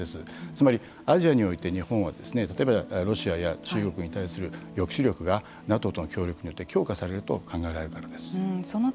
つまりアジアにおいて日本は例えば、ロシアや中国に対する抑止力がＮＡＴＯとの協力によって強化されると考えられるからです。